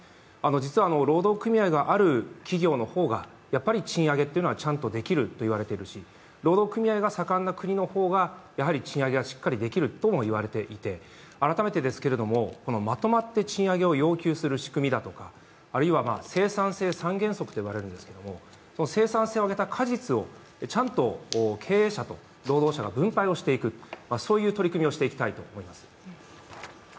実は労働組合がある企業の方が、賃上げはちゃんとできると言われているし、労働組合が盛んな国の方がやはり賃上げはしっかりできるともいわれていて改めてですけれども、まとまって賃上げを要求する仕組みですとかあるいは生産性三原則と言われるんですけれども、生産性を上げた果実をちゃんと経営者と労働者が分配をしていく、そういう取り組みをしていきたいと思います。